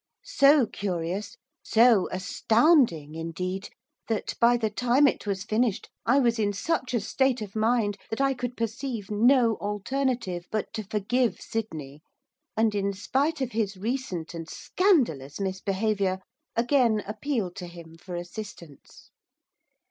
So curious, so astounding indeed, that, by the time it was finished, I was in such a state of mind, that I could perceive no alternative but to forgive Sydney, and, in spite of his recent, and scandalous misbehaviour, again appeal to him for assistance.